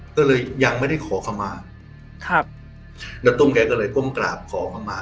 ก็เลยยังไม่ได้ขอคำมาครับณตุ้มแกก็เลยก้มกราบขอเข้ามา